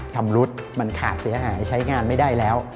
ชำรุดมันขาดเสียหายใช้งานไม่ได้แล้ว